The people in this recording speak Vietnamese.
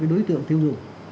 đối tượng tiêu dụng